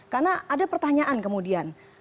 karena ada pertanyaan kemudian